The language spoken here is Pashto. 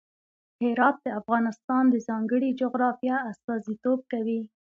هرات د افغانستان د ځانګړي جغرافیه استازیتوب کوي.